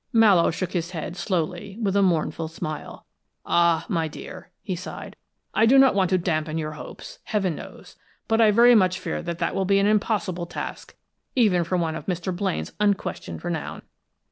Mallowe shook his head slowly, with a mournful smile. "Ah! my dear!" he sighed. "I do not want to dampen your hopes, heaven knows, but I very much fear that that will be an impossible task, even for one of Mr. Blaine's unquestioned renown."